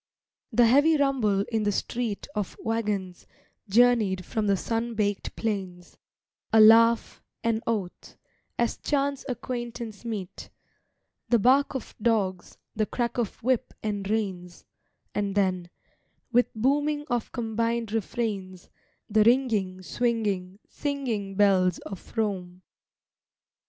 The heavy rumble in the street Of waggons, journeyed from the sun baked plains; A laugh, an oath, as chance acquaintance meet; The bark of dogs, the crack of whip and reins; And then, with booming of combined refrains, The ringing, swinging, singing bells of Rome.